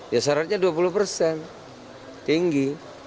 ya syaratnya dua puluh persen tinggi